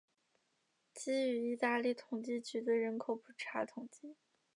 基于意大利统计局的人口普查统计。